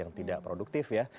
yang tidak produktif ya